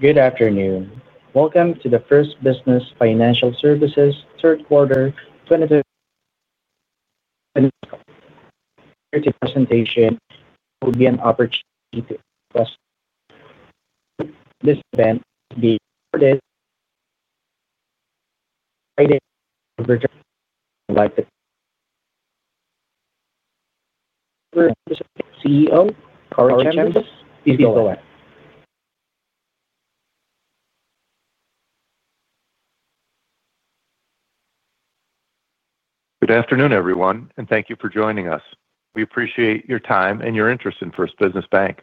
Good afternoon. Welcome to the First Business Financial Services Third Quarter 2025 Presentation. This will be an opportunity to discuss. This event will be recorded. CEO, Corey Chambas, please go ahead. Good afternoon, everyone, and thank you for joining us. We appreciate your time and your interest in First Business Bank.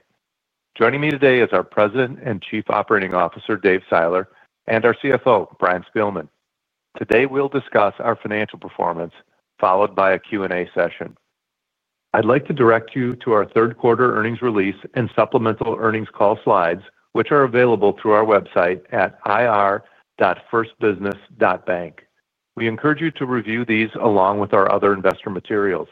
Joining me today is our President and Chief Operating Officer, Dave Seiler, and our CFO, Brian Spielmann. Today we'll discuss our financial performance, followed by a Q&A session. I'd like to direct you to our third quarter earnings release and supplemental earnings call slides, which are available through our website at ir.firstbusiness.bank. We encourage you to review these along with our other investor materials.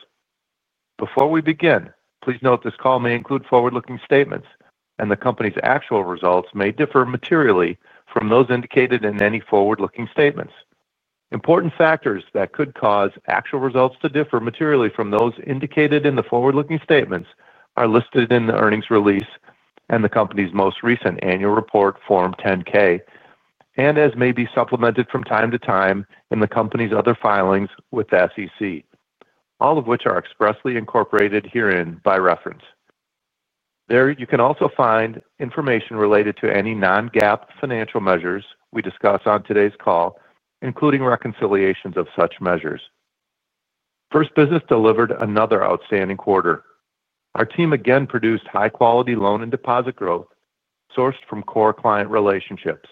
Before we begin, please note this call may include forward-looking statements, and the company's actual results may differ materially from those indicated in any forward-looking statements. Important factors that could cause actual results to differ materially from those indicated in the forward-looking statements are listed in the earnings release and the company's most recent annual report, Form 10-K, and as may be supplemented from time to time in the company's other filings with the SEC, all of which are expressly incorporated herein by reference. There you can also find information related to any non-GAAP financial measures we discuss on today's call, including reconciliations of such measures. First Business delivered another outstanding quarter. Our team again produced high-quality loan and deposit growth sourced from core client relationships.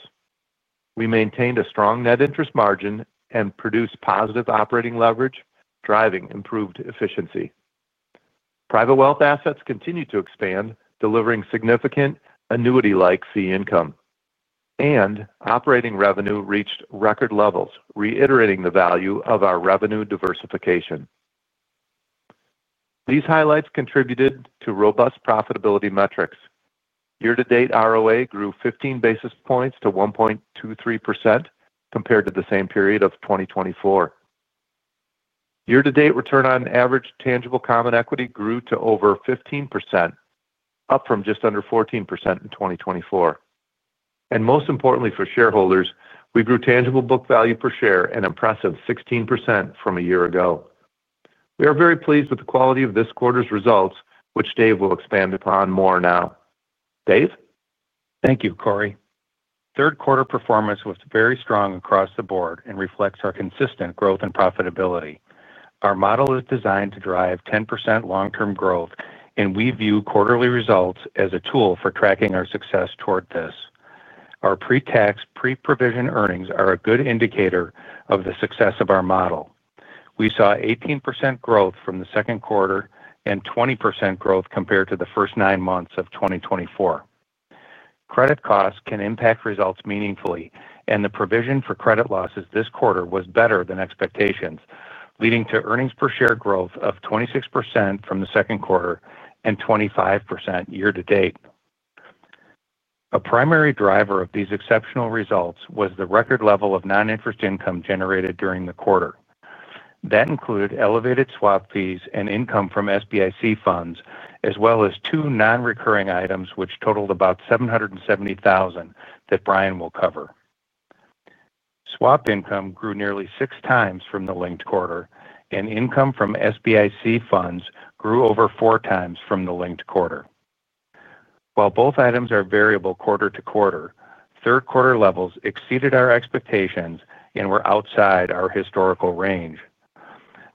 We maintained a strong net interest margin and produced positive operating leverage, driving improved efficiency. Private Wealth assets continued to expand, delivering significant annuity-like fee income, and operating revenue reached record levels, reiterating the value of our revenue diversification. These highlights contributed to robust profitability metrics. Year-to-date ROA grew 15 basis points to 1.23% compared to the same period of 2024. Year-to-date return on average tangible common equity grew to over 15%, up from just under 14% in 2024. Most importantly for shareholders, we grew tangible book value per share an impressive 16% from a year ago. We are very pleased with the quality of this quarter's results, which Dave will expand upon more now. Dave? Thank you, Corey. Third quarter performance was very strong across the board and reflects our consistent growth and profitability. Our model is designed to drive 10% long-term growth, and we view quarterly results as a tool for tracking our success toward this. Our pre-tax, pre-provision earnings are a good indicator of the success of our model. We saw 18% growth from the second quarter and 20% growth compared to the first nine months of 2024. Credit costs can impact results meaningfully, and the provision for credit losses this quarter was better than expectations, leading to earnings per share growth of 26% from the second quarter and 25% year-to-date. A primary driver of these exceptional results was the record level of non-interest income generated during the quarter. That included elevated swap fees and income from SBIC funds, as well as two non-recurring items which totaled about $770,000 that Brian will cover. Swap income grew nearly 6x from the linked quarter, and income from SBIC funds grew over 4x from the linked quarter. While both items are variable quarter-to-quarter, third quarter levels exceeded our expectations and were outside our historical range.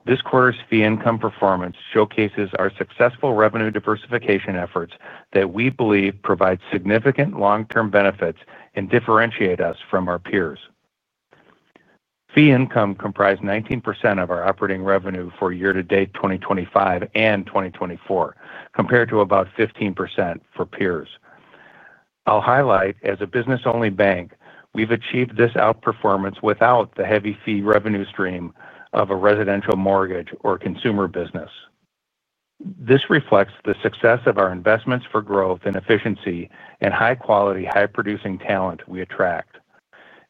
This quarter's fee income performance showcases our successful revenue diversification efforts that we believe provide significant long-term benefits and differentiate us from our peers. Fee income comprised 19% of our operating revenue for year-to-date 2025 and 2024, compared to about 15% for peers. I'll highlight, as a business-only bank, we've achieved this outperformance without the heavy fee revenue stream of a residential mortgage or consumer business. This reflects the success of our investments for growth and efficiency and high-quality, high-producing talent we attract.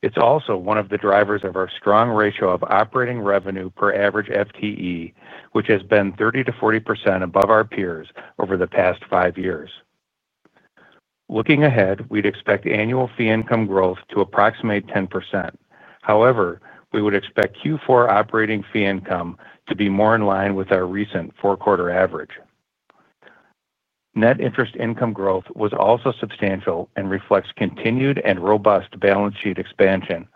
It's also one of the drivers of our strong ratio of operating revenue per average FTE, which has been 30%-40% above our peers over the past five years. Looking ahead, we'd expect annual fee income growth to approximate 10%. However, we would expect Q4 operating fee income to be more in line with our recent four-quarter average. Net interest income growth was also substantial and reflects continued and robust balance sheet expansion.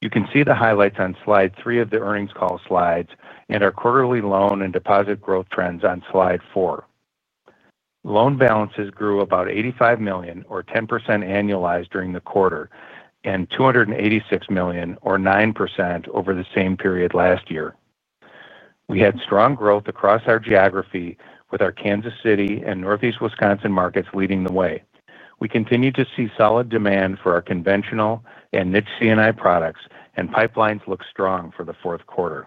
You can see the highlights on slide three of the earnings call slides and our quarterly loan and deposit growth trends on slide four. Loan balances grew about $85 million, or 10% annualized during the quarter, and $286 million, or 9% over the same period last year. We had strong growth across our geography, with our Kansas City and Northeast Wisconsin markets leading the way. We continue to see solid demand for our conventional and niche C&I products, and pipelines look strong for the fourth quarter.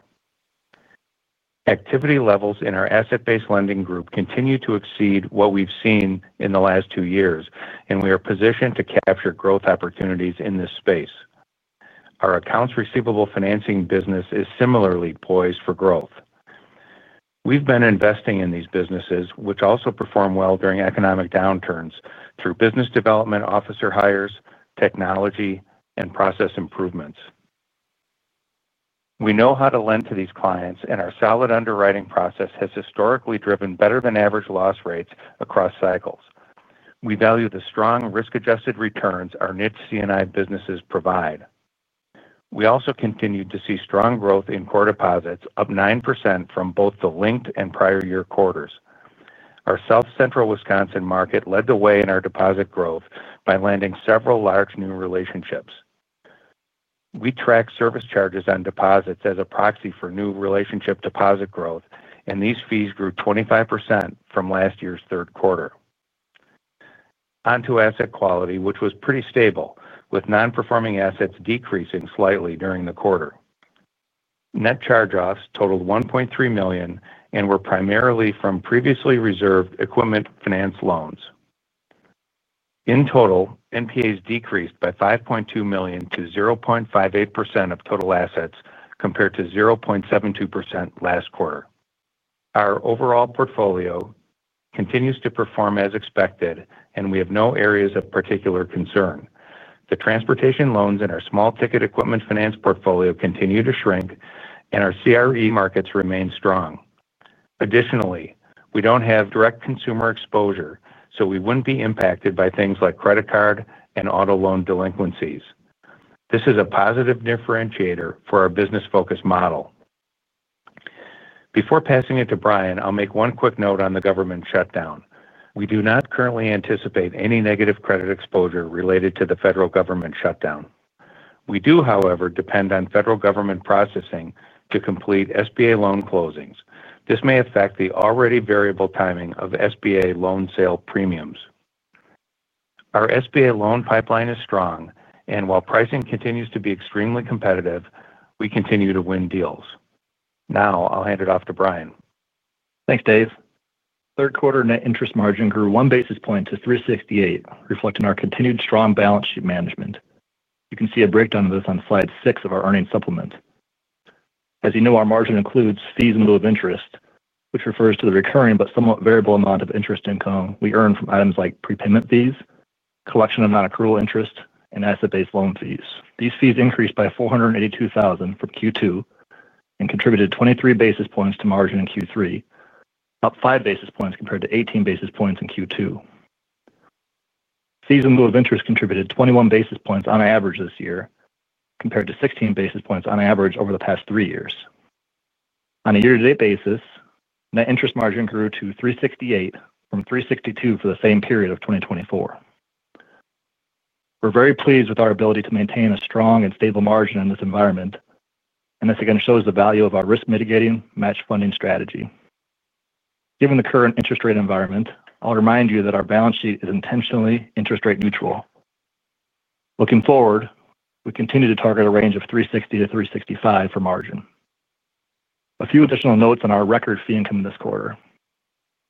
Activity levels in our asset-based lending group continue to exceed what we've seen in the last two years, and we are positioned to capture growth opportunities in this space. Our accounts receivable finance business is similarly poised for growth. We've been investing in these businesses, which also perform well during economic downturns, through Business Development Officer hires, technology, and process improvements. We know how to lend to these clients, and our solid underwriting process has historically driven better-than-average loss rates across cycles. We value the strong risk-adjusted returns our niche C&I businesses provide. We also continue to see strong growth in core deposits, up 9% from both the linked and prior-year quarters. Our South Central Wisconsin market led the way in our deposit growth by landing several large new relationships. We track service charges on deposits as a proxy for new relationship deposit growth, and these fees grew 25% from last year's third quarter. Onto asset quality, which was pretty stable, with non-performing assets decreasing slightly during the quarter. Net charge-offs totaled $1.3 million and were primarily from previously reserved equipment finance loans. In total, NPAs decreased by $5.2 million to 0.58% of total assets compared to 0.72% last quarter. Our overall portfolio continues to perform as expected, and we have no areas of particular concern. The transportation loans in our small-ticket equipment finance portfolio continue to shrink, and our CRE markets remain strong. Additionally, we don't have direct consumer exposure, so we wouldn't be impacted by things like credit card and auto loan delinquencies. This is a positive differentiator for our business-focused model. Before passing it to Brian, I'll make one quick note on the government shutdown. We do not currently anticipate any negative credit exposure related to the federal government shutdown. We do, however, depend on federal government processing to complete SBA loan closings. This may affect the already variable timing of SBA loan sale premiums. Our SBA loan pipeline is strong, and while pricing continues to be extremely competitive, we continue to win deals. Now, I'll hand it off to Brian. Thanks, Dave. Third quarter net interest margin grew 1 basis point to 3.68%, reflecting our continued strong balance sheet management. You can see a breakdown of this on slide six of our earnings supplement. As you know, our margin includes fees in lieu of interest, which refers to the recurring but somewhat variable amount of interest income we earn from items like prepayment fees, collection of non-accrual interest, and asset-based loan fees. These fees increased by $482,000 from Q2 and contributed 23 basis points to margin in Q3, up 5 basis points compared to 18 basis points in Q2. Fees in lieu of interest contributed 21 basis points on average this year compared to 16 basis points on average over the past three years. On a year-to-date basis, net interest margin grew to 3.68% from 3.62% for the same period of 2024. We're very pleased with our ability to maintain a strong and stable margin in this environment. This again shows the value of our risk-mitigating match funding strategy. Given the current interest rate environment, I'll remind you that our balance sheet is intentionally interest rate neutral. Looking forward, we continue to target a range of 3.60%-3.65% for margin. A few additional notes on our record fee income this quarter.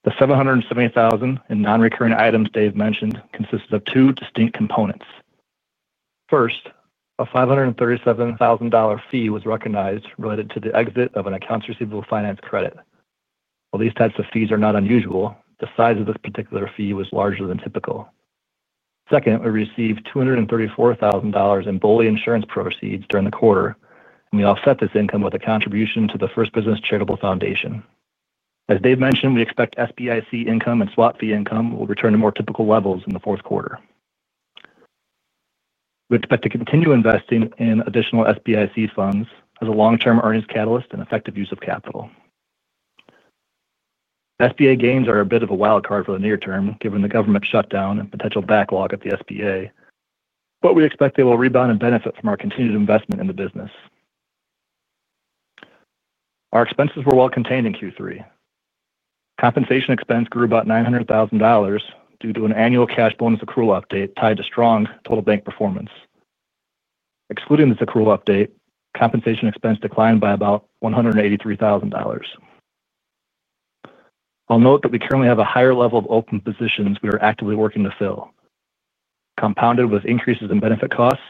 The $770,000 in non-recurring items Dave mentioned consists of two distinct components. First, a $537,000 fee was recognized related to the exit of an accounts receivable finance credit. While these types of fees are not unusual, the size of this particular fee was larger than typical. Second, we received $234,000 in BOLI insurance proceeds during the quarter, and we offset this income with a contribution to the First Business Charitable Foundation. As Dave mentioned, we expect SBIC income and swap fee income will return to more typical levels in the fourth quarter. We expect to continue investing in additional SBIC funds as a long-term earnings catalyst and effective use of capital. SBA gains are a bit of a wild card for the near term, given the government shutdown and potential backlog at the SBA, but we expect they will rebound and benefit from our continued investment in the business. Our expenses were well contained in Q3. Compensation expense grew about $900,000 due to an annual cash bonus accrual update tied to strong total bank performance. Excluding this accrual update, compensation expense declined by about $183,000. I'll note that we currently have a higher level of open positions we are actively working to fill. Compounded with increases in benefit costs,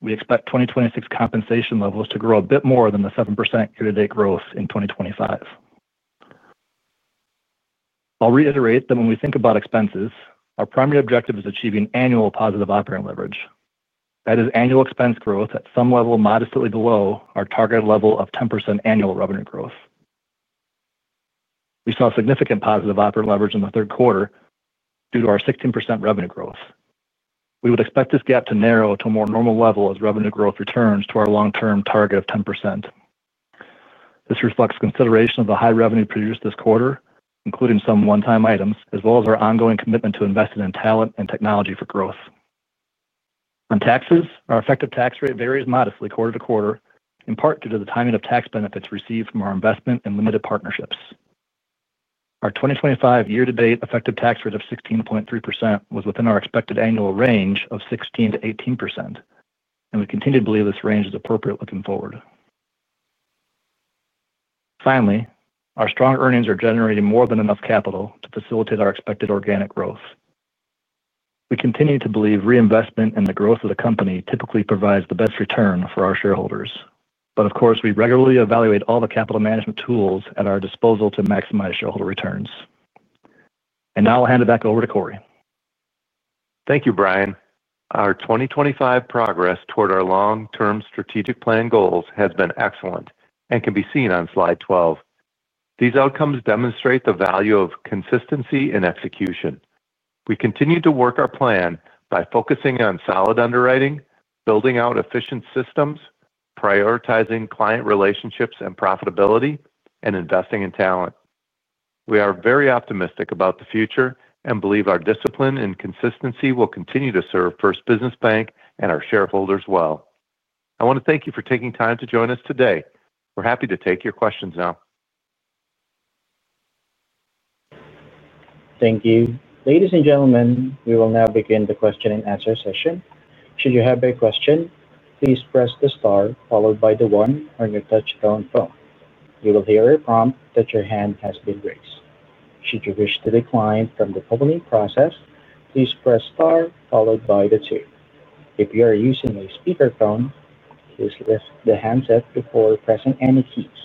we expect 2026 compensation levels to grow a bit more than the 7% year-to-date growth in 2025. I'll reiterate that when we think about expenses, our primary objective is achieving annual positive operating leverage. That is, annual expense growth at some level modestly below our target level of 10% annual revenue growth. We saw significant positive operating leverage in the third quarter due to our 16% revenue growth. We would expect this gap to narrow to a more normal level as revenue growth returns to our long-term target of 10%. This reflects consideration of the high revenue produced this quarter, including some one-time items, as well as our ongoing commitment to investing in talent and technology for growth. On taxes, our effective tax rate varies modestly quarter-to-quarter, in part due to the timing of tax benefits received from our investment in limited partnerships. Our 2025 year-to-date effective tax rate of 16.3% was within our expected annual range of 16%-18%. We continue to believe this range is appropriate looking forward. Finally, our strong earnings are generating more than enough capital to facilitate our expected organic growth. We continue to believe reinvestment in the growth of the company typically provides the best return for our shareholders. Of course, we regularly evaluate all the capital management tools at our disposal to maximize shareholder returns. Now I'll hand it back over to Corey. Thank you, Brian. Our 2025 progress toward our long-term strategic plan goals has been excellent and can be seen on slide 12. These outcomes demonstrate the value of consistency in execution. We continue to work our plan by focusing on solid underwriting, building out efficient systems, prioritizing client relationships and profitability, and investing in talent. We are very optimistic about the future and believe our discipline and consistency will continue to serve First Business Bank and our shareholders well. I want to thank you for taking time to join us today. We're happy to take your questions now. Thank you. Ladies and gentlemen, we will now begin the question-and-answer session. Should you have a question, please press the star followed by the one on your touch-tone phone. You will hear a prompt that your hand has been raised. Should you wish to decline from the polling process, please press star followed by the two. If you are using a speakerphone, please lift the handset before pressing any keys.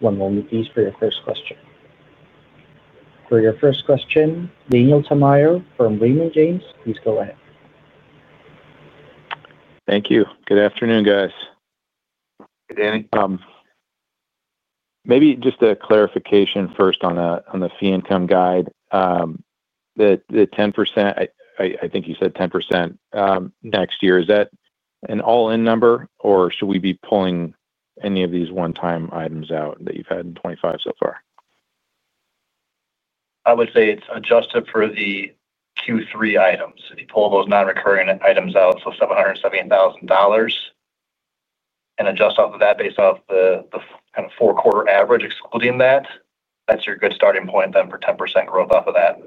One moment, please, for your first question. For your first question, Daniel Tamayo from Raymond James, please go ahead. Thank you. Good afternoon, guys. Hey, Daniel. Maybe just a clarification first on the fee income guide. The 10%, I think you said 10%. Next year, is that an all-in number, or should we be pulling any of these one-time items out that you've had in 2025 so far? I would say it's adjusted for the Q3 items. If you pull those non-recurring items out, so $770,000, and adjust off of that based off the kind of four-quarter average, excluding that, that's your good starting point for 10% growth off of that.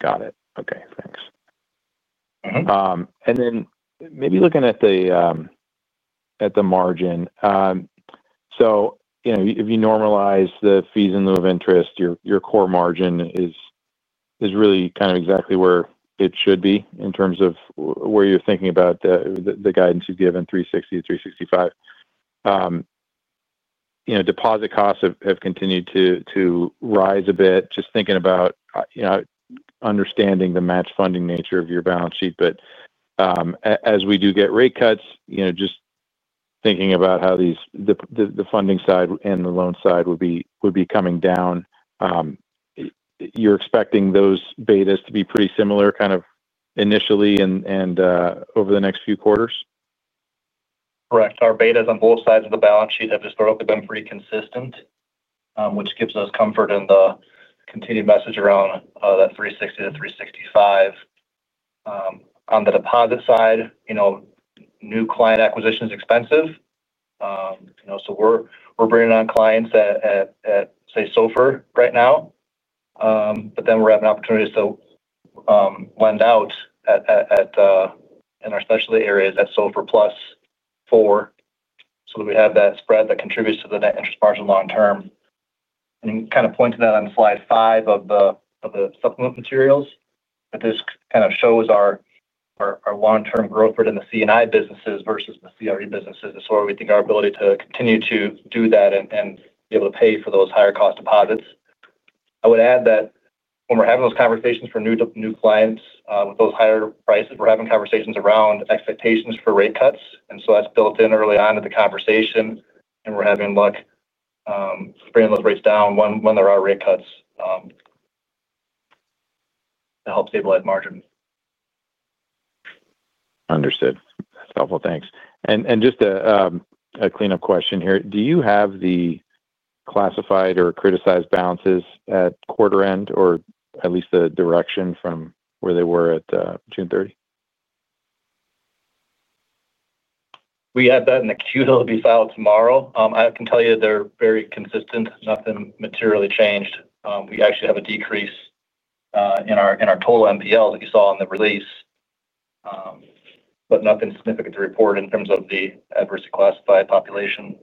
Got it. Okay. Thanks. Maybe looking at the margin, if you normalize the fees in lieu of interest, your core margin is really kind of exactly where it should be in terms of where you're thinking about the guidance you've given, 3.60%-3.65%. Deposit costs have continued to rise a bit. Just thinking about understanding the match funding nature of your balance sheet. As we do get rate cuts, just thinking about how the funding side and the loan side would be coming down. You're expecting those betas to be pretty similar kind of initially and over the next few quarters? Correct. Our betas on both sides of the balance sheet have historically been pretty consistent, which gives us comfort in the continued message around that 3.60%-3.65% on the deposit side. New client acquisition is expensive. We're bringing on clients at, say, SOFR right now, but then we're having opportunities to lend out in our specialty areas at SOFR plus four so that we have that spread that contributes to the net interest margin long term. Pointing that on slide five of the supplement materials, this kind of shows our long-term growth rate in the C&I businesses versus the CRE businesses. We think our ability to continue to do that and be able to pay for those higher cost deposits is important. I would add that when we're having those conversations for new clients with those higher prices, we're having conversations around expectations for rate cuts, and that's built in early on in the conversation. We're having luck bringing those rates down when there are rate cuts to help stabilize margins. Understood. That's helpful. Thanks. Just a clean-up question here. Do you have the classified or criticized balances at quarter-end or at least the direction from where they were at June 30? We had that in the Q2 that'll be filed tomorrow. I can tell you they're very consistent. Nothing materially changed. We actually have a decrease in our total NPLs that you saw in the release, but nothing significant to report in terms of the adversely classified population.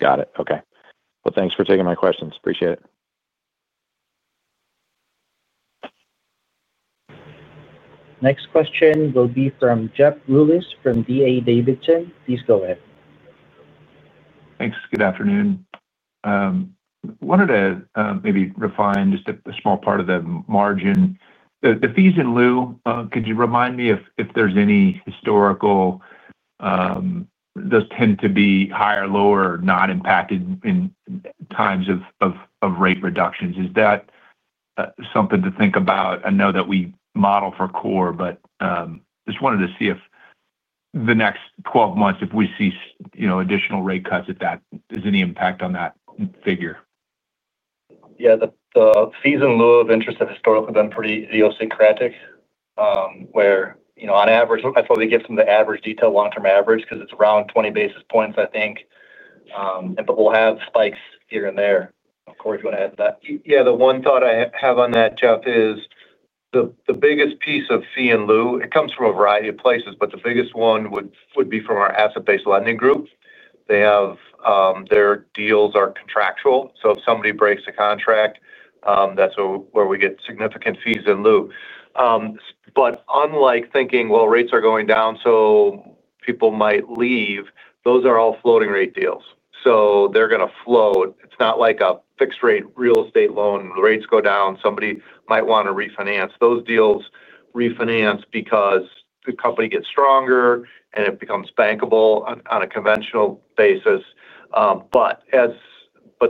Got it. Okay. Thanks for taking my questions. Appreciate it. Next question will be from Jeff Rulis from D.A. Davidson. Please go ahead. Thanks. Good afternoon. Wanted to maybe refine just a small part of the margin. The fees in lieu, could you remind me if there's any historical context? Those tend to be higher, lower, not impacted in times of rate reductions? Is that something to think about? I know that we model for core, but just wanted to see if the next 12 months, if we see additional rate cuts, if that is any impact on that figure. Yeah. The fees in lieu of interest have historically been pretty idiosyncratic. On average, I thought we give them the average detailed long-term average because it's around 20 basis points, I think. We'll have spikes here and there. Corey, if you want to add to that. Yeah. The one thought I have on that, Jeff, is the biggest piece of fee in lieu comes from a variety of places, but the biggest one would be from our asset-based lending group. Their deals are contractual. If somebody breaks the contract, that's where we get significant fees in lieu. Unlike thinking, "Rates are going down, so people might leave," those are all floating rate deals. They're going to float. It's not like a fixed-rate real estate loan. If rates go down, somebody might want to refinance. Those deals refinance because the company gets stronger and it becomes bankable on a conventional basis.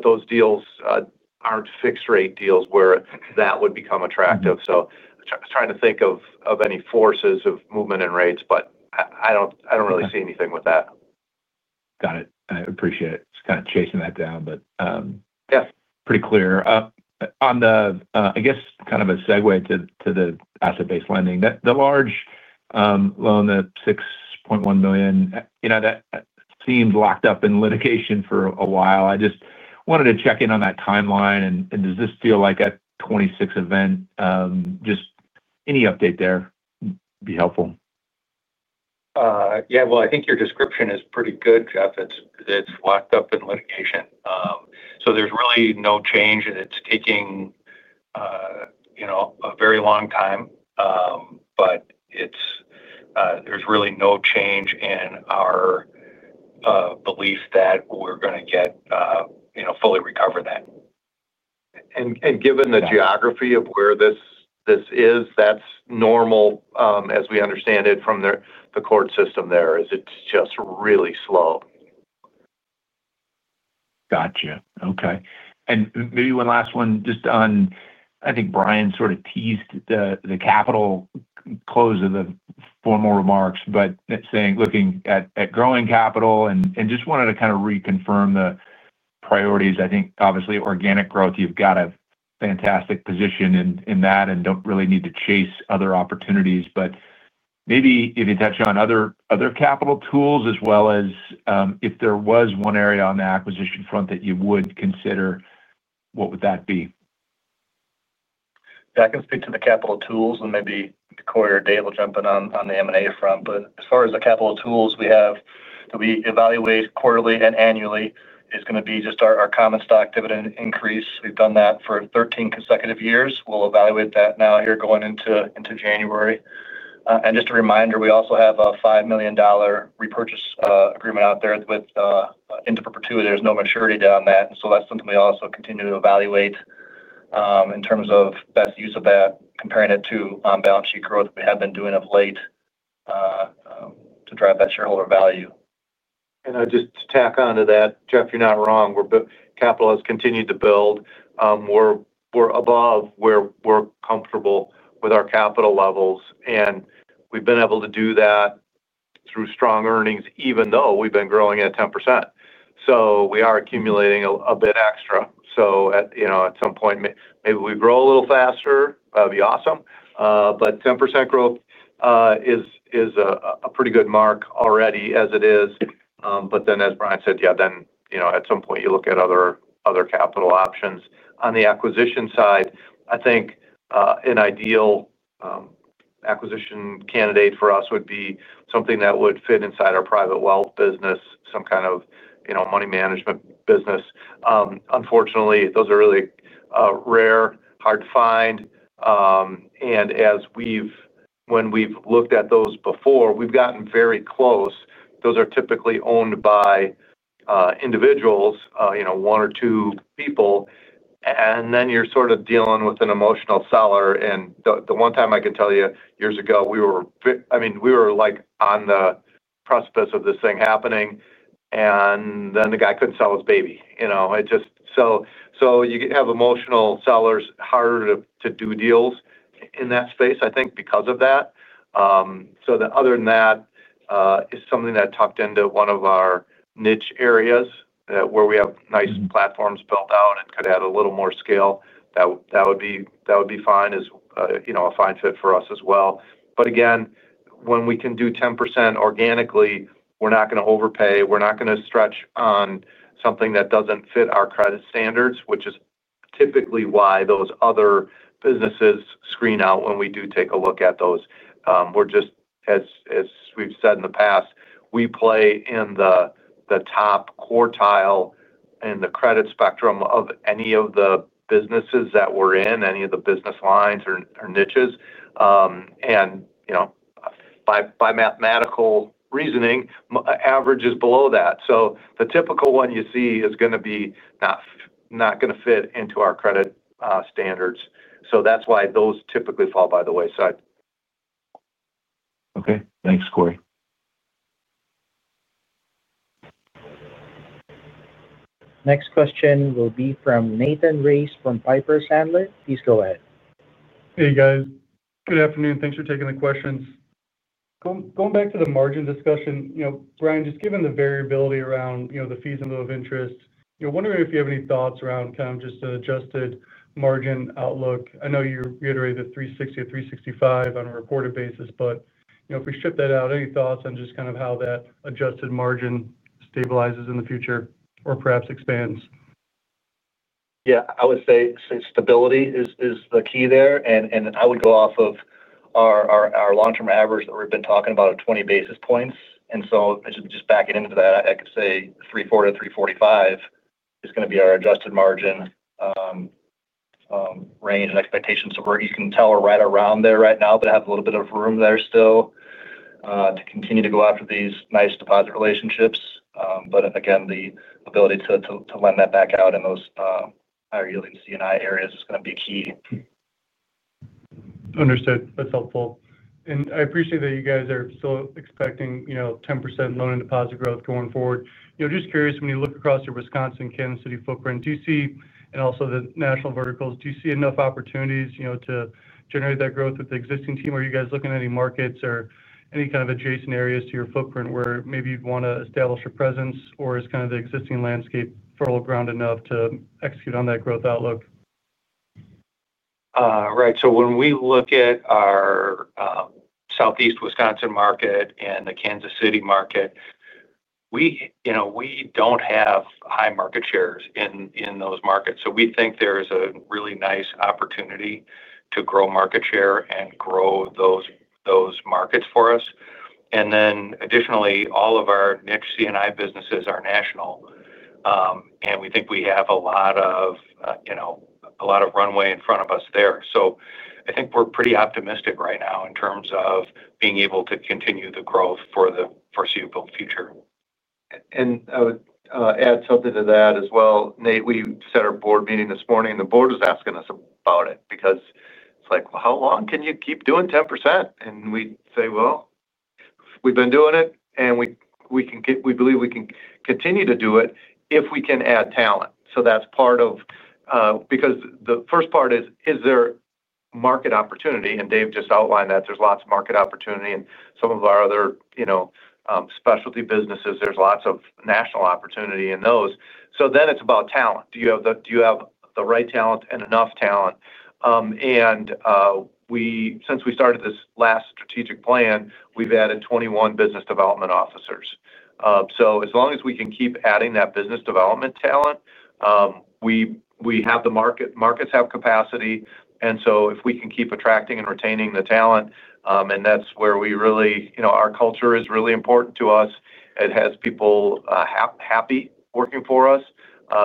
Those deals aren't fixed-rate deals where that would become attractive. I'm trying to think of any forces of movement in rates, but I don't really see anything with that. Got it. I appreciate it. Just kind of chasing that down. Pretty clear. On the, I guess, kind of a segue to the asset-based lending, the large loan, the $6.1 million that seemed locked up in litigation for a while. I just wanted to check in on that timeline. Does this feel like a 2026 event? Any update there would be helpful. Yeah. I think your description is pretty good, Jeff. It's locked up in litigation, so there's really no change, and it's taking a very long time. There's really no change in our belief that we're going to fully recover that. Given the geography of where this is, that's normal as we understand it from the court system there, as it's just really slow. Gotcha. Okay. Maybe one last one, just on, I think Brian sort of teased the capital close of the formal remarks, but looking at growing capital, and just wanted to kind of reconfirm the priorities. I think, obviously, organic growth, you've got a fantastic position in that and don't really need to chase other opportunities. Maybe if you touch on other capital tools as well as if there was one area on the acquisition front that you would consider, what would that be? That can speak to the capital tools, and maybe Corey or Dave will jump in on the M&A front. As far as the capital tools we have that we evaluate quarterly and annually, it's going to be just our common stock dividend increase. We've done that for 13 consecutive years. We'll evaluate that now here going into January. Just a reminder, we also have a $5 million repurchase agreement out there with Interpreter. There's no maturity on that, so that's something we also continue to evaluate in terms of best use of that, comparing it to on-balance sheet growth we have been doing of late to drive that shareholder value. Just to tack on to that, Jeff, you're not wrong. Capital has continued to build. We're above where we're comfortable with our capital levels, and we've been able to do that through strong earnings, even though we've been growing at 10%. We are accumulating a bit extra. At some point, maybe we grow a little faster. That would be awesome. 10% growth is a pretty good mark already as it is. As Brian said, at some point, you look at other capital options. On the acquisition side, I think an ideal acquisition candidate for us would be something that would fit inside our private wealth management business, some kind of money management business. Unfortunately, those are really rare, hard to find. When we've looked at those before, we've gotten very close. Those are typically owned by individuals, one or two people, and then you're sort of dealing with an emotional seller. The one time I can tell you, years ago, we were on the precipice of this thing happening, and then the guy couldn't sell his baby. You have emotional sellers, harder to do deals in that space, I think, because of that. Other than that, it's something that tucked into one of our niche areas where we have nice platforms built out and could add a little more scale. That would be fine as a fine fit for us as well. Again, when we can do 10% organically, we're not going to overpay. We're not going to stretch on something that doesn't fit our credit standards, which is typically why those other businesses screen out when we do take a look at those. As we've said in the past, we play in the top quartile in the credit spectrum of any of the businesses that we're in, any of the business lines or niches. By mathematical reasoning, averages below that, so the typical one you see is not going to fit into our credit standards. That's why those typically fall by the wayside. Okay. Thanks, Corey. Next question will be from Nathan Race from Piper Sandler. Please go ahead. Hey, guys. Good afternoon. Thanks for taking the questions. Going back to the margin discussion, Brian, just given the variability around the fees in lieu of interest, wondering if you have any thoughts around kind of just an adjusted margin outlook. I know you reiterated 3.60%-3.65% on a reported basis, but if we strip that out, any thoughts on just kind of how that adjusted margin stabilizes in the future or perhaps expands? Yeah. I would say stability is the key there. I would go off of our long-term average that we've been talking about of 20 basis points. Just backing into that, I could say 3.4%-3.45% is going to be our adjusted margin range and expectations. You can tell we're right around there right now, but have a little bit of room there still to continue to go after these nice deposit relationships. Again, the ability to lend that back out in those higher-yielding C&I areas is going to be key. Understood. That's helpful. I appreciate that you guys are still expecting 10% loan and deposit growth going forward. Just curious, when you look across your Wisconsin, Kansas City footprint, and also the national verticals, do you see enough opportunities to generate that growth with the existing team? Are you guys looking at any markets or any kind of adjacent areas to your footprint where maybe you'd want to establish a presence, or is kind of the existing landscape fertile ground enough to execute on that growth outlook? Right. When we look at our Southeast Wisconsin market and the Kansas City market, we don't have high market shares in those markets. We think there is a really nice opportunity to grow market share and grow those markets for us. Additionally, all of our niche C&I businesses are national, and we think we have a lot of runway in front of us there. I think we're pretty optimistic right now in terms of being able to continue the growth for the foreseeable future. I would add something to that as well. Nate, we sat at our Board meeting this morning, and the Board was asking us about it because it's like, "How long can you keep doing 10%?" We say, "We've been doing it, and we believe we can continue to do it if we can add talent." That's part of it. The first part is, is there market opportunity? Dave just outlined that there's lots of market opportunity in some of our other specialty businesses. There's lots of national opportunity in those. Then it's about talent. Do you have the right talent and enough talent? Since we started this last strategic plan, we've added 21 business development officers. As long as we can keep adding that business development talent, we have the markets, have capacity. If we can keep attracting and retaining the talent, that's where our culture is really important to us. It has people happy working for us.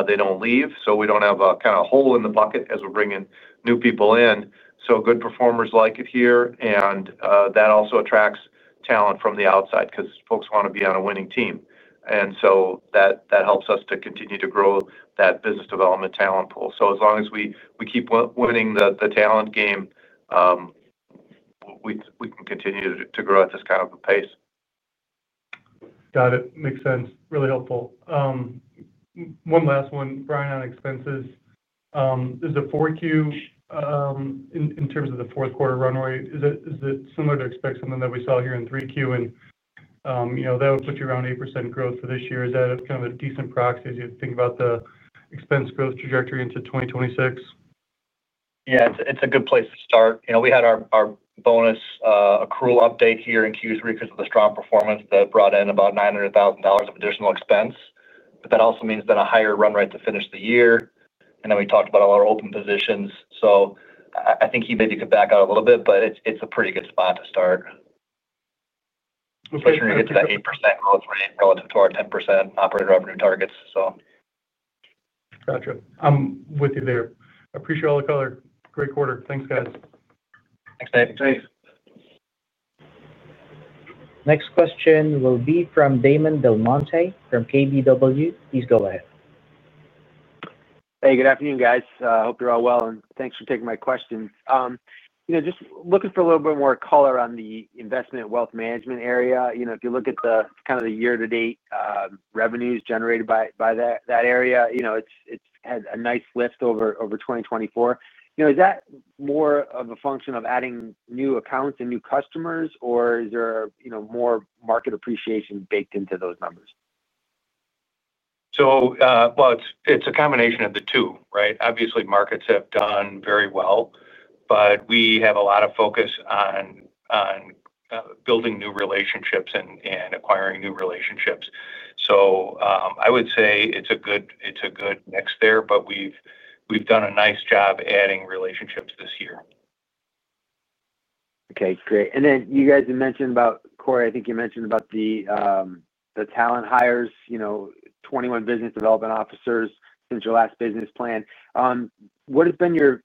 They don't leave. We don't have a kind of hole in the bucket as we're bringing new people in. Good performers like it here. That also attracts talent from the outside because folks want to be on a winning team. That helps us to continue to grow that business development talent pool. As long as we keep winning the talent game, we can continue to grow at this kind of a pace. Got it. Makes sense. Really helpful. One last one, Brian, on expenses. Is the 4Q, in terms of the fourth quarter runway, is it similar to expect something that we saw here in 3Q? That would put you around 8% growth for this year. Is that kind of a decent proxy as you think about the expense growth trajectory into 2026? Yeah. It's a good place to start. We had our bonus accrual update here in Q3 because of the strong performance that brought in about $900,000 of additional expense. That also means then a higher run rate to finish the year. We talked about all our open positions. I think you maybe could back out a little bit, but it's a pretty good spot to start, especially when you get to that 8% growth rate relative to our 10% operating revenue targets. Gotcha. I'm with you there. I appreciate all the color. Great quarter. Thanks, guys. Thanks, Dave. Thanks. Next question will be from Damon DelMonte from KBW. Please go ahead. Hey, good afternoon, guys. I hope you're all well, and thanks for taking my questions. Just looking for a little bit more color on the investment wealth management area. If you look at the kind of the year-to-date revenues generated by that area, it's had a nice lift over 2024. Is that more of a function of adding new accounts and new customers, or is there more market appreciation baked into those numbers? It is a combination of the two, right? Obviously, markets have done very well, but we have a lot of focus on building new relationships and acquiring new relationships. I would say it's a good mix there, but we've done a nice job adding relationships this year. Okay. Great. Corey, I think you mentioned the talent hires, 21 business development officers since your last business plan. What has been your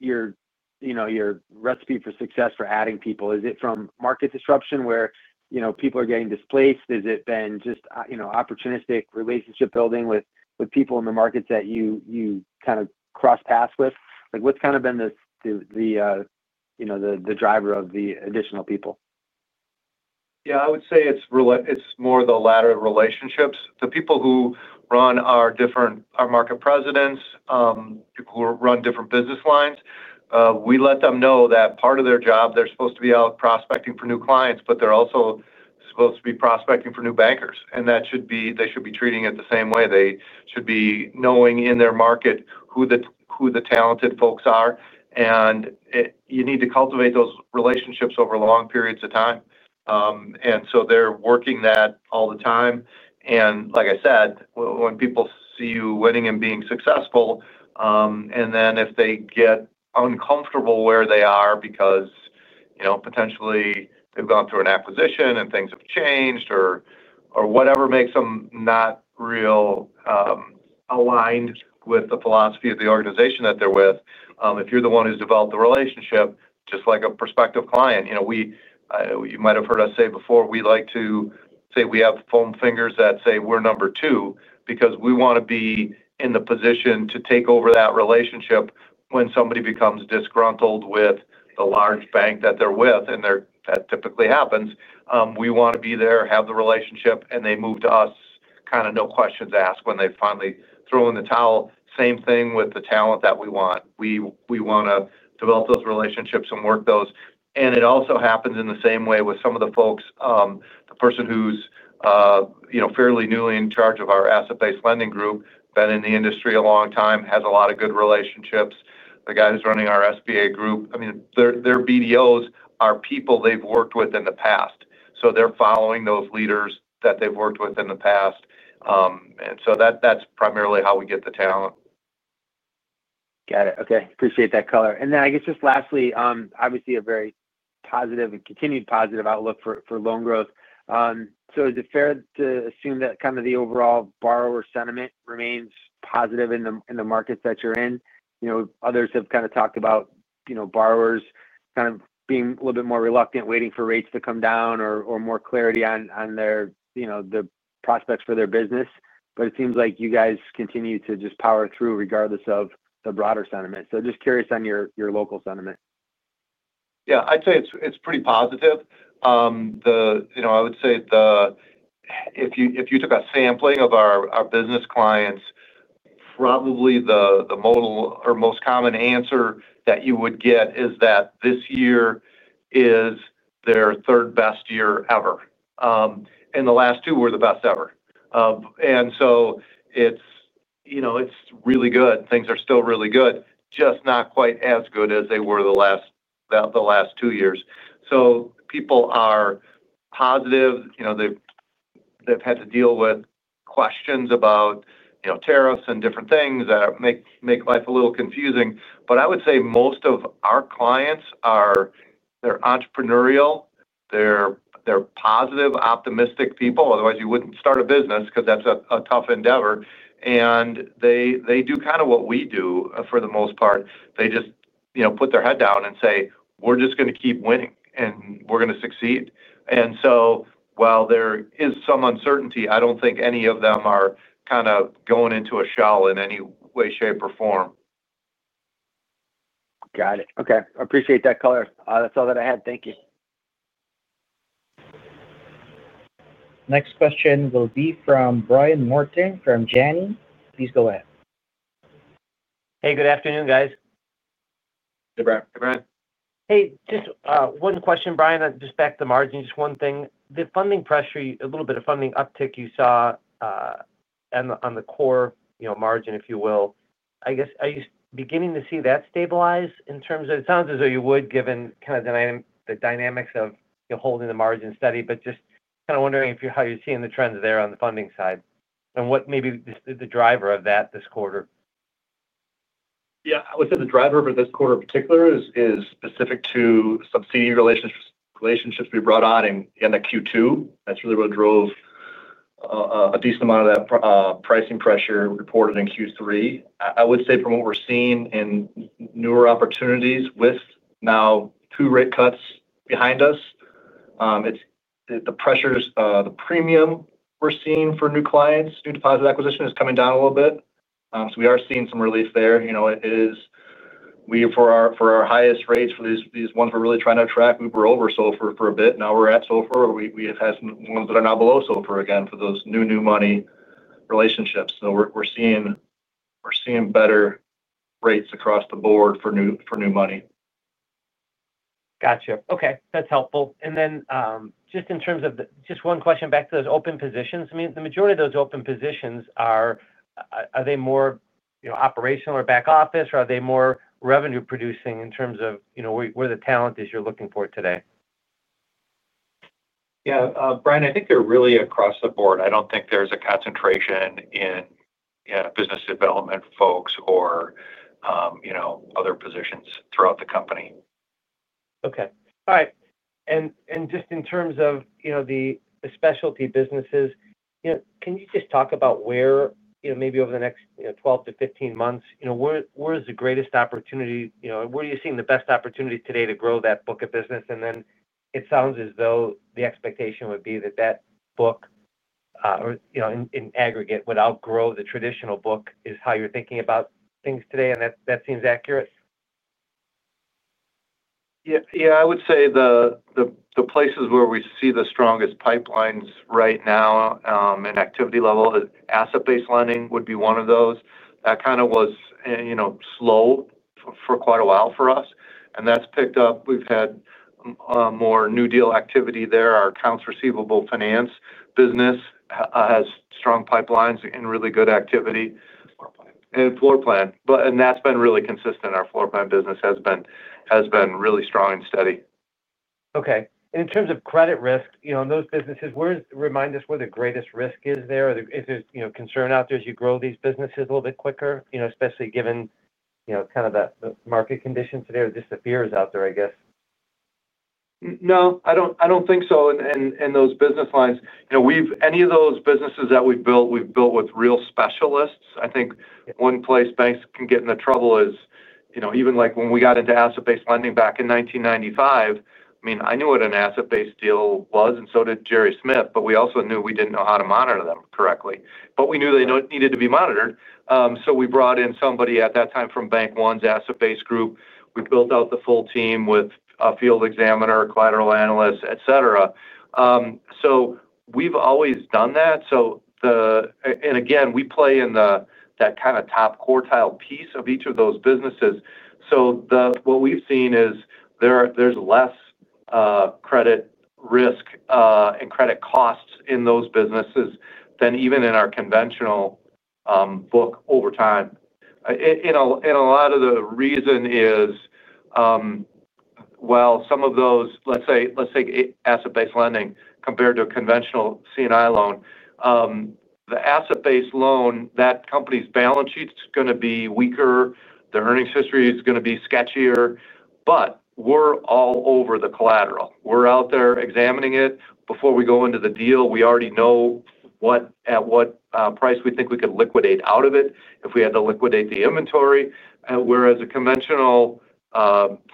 recipe for success for adding people? Is it from market disruption where people are getting displaced? Has it been just opportunistic relationship building with people in the markets that you kind of crossed paths with? What's been the driver of the additional people? Yeah. I would say it's more the latter of relationships. The people who run our Market Presidents, who run different business lines, we let them know that part of their job, they're supposed to be out prospecting for new clients, but they're also supposed to be prospecting for new bankers. They should be treating it the same way. They should be knowing in their market who the talented folks are, and you need to cultivate those relationships over long periods of time. They're working that all the time. Like I said, when people see you winning and being successful, if they get uncomfortable where they are because potentially they've gone through an acquisition and things have changed or whatever makes them not real aligned with the philosophy of the organization that they're with, if you're the one who's developed the relationship, just like a prospective client, you might have heard us say before, we like to say we have foam fingers that say we're number two because we want to be in the position to take over that relationship when somebody becomes disgruntled with the large bank that they're with. That typically happens. We want to be there, have the relationship, and they move to us kind of no questions asked when they finally throw in the towel. Same thing with the talent that we want. We want to develop those relationships and work those. It also happens in the same way with some of the folks. The person who's fairly newly in charge of our asset-based lending group, been in the industry a long time, has a lot of good relationships. The guy who's running our SBA group, I mean, their BDOs are people they've worked with in the past. They're following those leaders that they've worked with in the past. That's primarily how we get the talent. Got it. Okay. Appreciate that color. I guess just lastly, obviously a very positive and continued positive outlook for loan growth. Is it fair to assume that kind of the overall borrower sentiment remains positive in the markets that you're in? Others have kind of talked about borrowers kind of being a little bit more reluctant, waiting for rates to come down, or more clarity on the prospects for their business. It seems like you guys continue to just power through regardless of the broader sentiment. Just curious on your local sentiment. Yeah. I'd say it's pretty positive. I would say if you took a sampling of our business clients, probably the most common answer that you would get is that this year is their third best year ever. The last two were the best ever. It's really good. Things are still really good, just not quite as good as they were the last two years. People are positive. They've had to deal with questions about tariffs and different things that make life a little confusing. I would say most of our clients, they're entrepreneurial. They're positive, optimistic people. Otherwise, you wouldn't start a business because that's a tough endeavor. They do kind of what we do for the most part. They just put their head down and say, "We're just going to keep winning, and we're going to succeed." While there is some uncertainty, I don't think any of them are kind of going into a shell in any way, shape, or form. Got it. Okay. Appreciate that color. That's all that I had. Thank you. Next question will be from Brian Martin from Janney. Please go ahead. Hey, good afternoon, guys. Hey, Brian. Hey, Brian. Hey, just one question, Brian, just back to the margin, just one thing. The funding pressure, a little bit of funding uptick you saw on the core margin, if you will. I guess are you beginning to see that stabilize in terms of it sounds as though you would, given kind of the dynamics of holding the margin steady, just kind of wondering how you're seeing the trends there on the funding side and what maybe the driver of that this quarter. Yeah. I would say the driver for this quarter in particular is specific to subsidy relationships we brought on in Q2. That's really what drove a decent amount of that pricing pressure reported in Q3. I would say from what we're seeing in newer opportunities with now two rate cuts behind us, the pressures, the premium we're seeing for new clients, new deposit acquisition is coming down a little bit. We are seeing some relief there. For our highest rates, for these ones we're really trying to attract, we were over SOFR for a bit. Now we're at SOFR. We have had some ones that are now below SOFR again for those new, new money relationships. We're seeing better rates across the board for new money. Gotcha. Okay. That's helpful. Just in terms of just one question back to those open positions, the majority of those open positions, are they more operational or back office, or are they more revenue-producing in terms of where the talent is you're looking for today? Yeah. Brian, I think they're really across the board. I don't think there's a concentration in business development folks or other positions throughout the company. Okay. All right. In terms of the specialty businesses, can you just talk about where maybe over the next 12 to 15 months, where is the greatest opportunity? Where are you seeing the best opportunity today to grow that book of business? It sounds as though the expectation would be that that book, in aggregate, would outgrow the traditional book. Is how you're thinking about things today. That seems accurate? Yeah. I would say the places where we see the strongest pipelines right now and activity level, asset-based lending would be one of those. That kind of was slow for quite a while for us, and that's picked up. We've had more new deal activity there. Our accounts receivable finance business has strong pipelines and really good activity. Floor plan has been really consistent. Our floor plan business has been really strong and steady. Okay. In terms of credit risk in those businesses, remind us where the greatest risk is there. Is there concern out there as you grow these businesses a little bit quicker, especially given kind of the market conditions today or just the fears out there, I guess? No, I don't think so. Those business lines, any of those businesses that we've built, we've built with real specialists. I think one place banks can get into trouble is even when we got into asset-based lending back in 1995, I mean, I knew what an asset-based deal was, and so did Jerry Smith. We also knew we didn't know how to monitor them correctly. We knew they needed to be monitored. We brought in somebody at that time from Bank One's asset-based group. We built out the full team with a field examiner, collateral analyst, etc. We've always done that. We play in that kind of top quartile piece of each of those businesses. What we've seen is there's less credit risk and credit costs in those businesses than even in our conventional book over time. A lot of the reason is, let's say asset-based lending compared to a conventional C&I loan. The asset-based loan, that company's balance sheet's going to be weaker. The earnings history is going to be sketchier. We're all over the collateral. We're out there examining it. Before we go into the deal, we already know at what price we think we could liquidate out of it if we had to liquidate the inventory. Whereas a conventional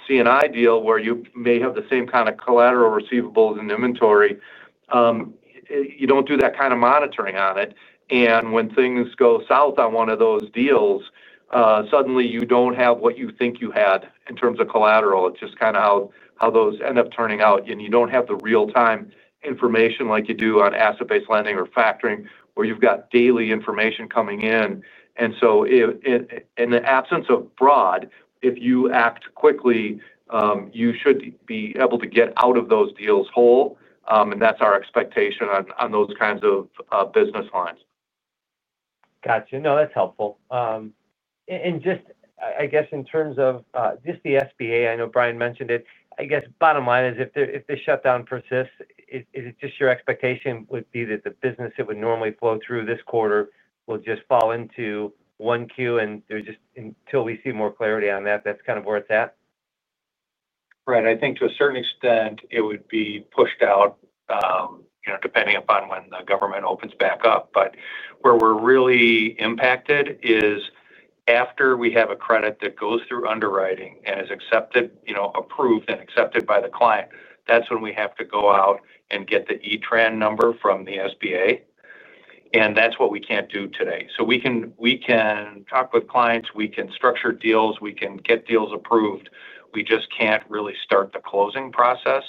C&I deal where you may have the same kind of collateral, receivables, and inventory, you don't do that kind of monitoring on it. When things go south on one of those deals, suddenly you don't have what you think you had in terms of collateral. It's just kind of how those end up turning out. You don't have the real-time information like you do on asset-based lending or factoring where you've got daily information coming in. In the absence of fraud, if you act quickly, you should be able to get out of those deals whole. That's our expectation on those kinds of business lines. Gotcha. No, that's helpful. In terms of just the SBA, I know Brian mentioned it. Bottom line is if the shutdown persists, is it just your expectation that the business that would normally flow through this quarter will just fall into one queue? Until we see more clarity on that, that's kind of where it's at? Right. I think to a certain extent, it would be pushed out, depending upon when the government opens back up. Where we're really impacted is after we have a credit that goes through underwriting and is approved and accepted by the client. That's when we have to go out and get the E-Tran number from the SBA, and that's what we can't do today. We can talk with clients, we can structure deals, we can get deals approved, we just can't really start the closing process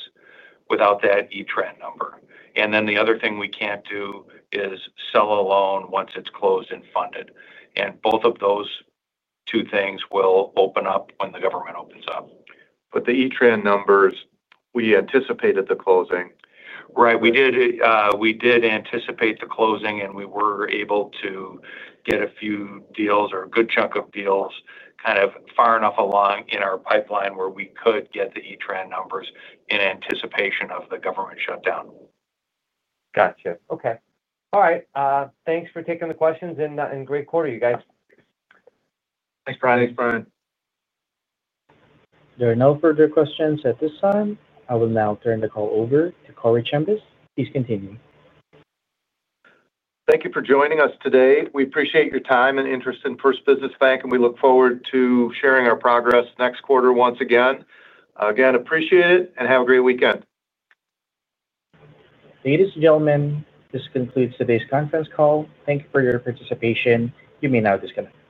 without that E-Tran number. The other thing we can't do is sell a loan once it's closed and funded. Both of those two things will open up when the government opens up. The E-Tran numbers, we anticipated the closing. Right. We did anticipate the closing, and we were able to get a few deals or a good chunk of deals kind of far enough along in our pipeline where we could get the E-Tran numbers in anticipation of the government shutdown. Gotcha. Okay. All right. Thanks for taking the questions. Great quarter, you guys. Thanks, Brian. Thanks, Brian. There are no further questions at this time. I will now turn the call over to Corey Chambas. Please continue. Thank you for joining us today. We appreciate your time and interest in First Business Bank, and we look forward to sharing our progress next quarter once again. Again, appreciate it and have a great weekend. Ladies and gentlemen, this concludes today's conference call. Thank you for your participation. You may now disconnect.